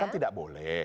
kan tidak boleh